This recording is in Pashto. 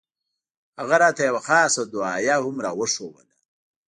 هغه راته يوه خاصه دعايه هم راوښووله.